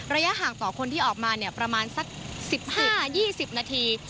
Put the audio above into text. ระยะห่างต่อคนที่ออกมาเนี่ยประมาณสัก๑๕๒๐นาที